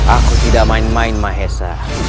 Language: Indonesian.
aku tidak main main maesa